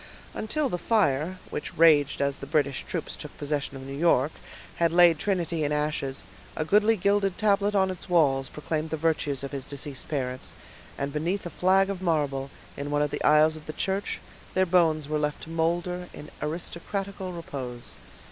Until the fire, which raged as the British troops took possession of New York, had laid Trinity in ashes, a goodly gilded tablet on its walls proclaimed the virtues of his deceased parents, and beneath a flag of marble, in one of the aisles of the church, their bones were left to molder in aristocratical repose.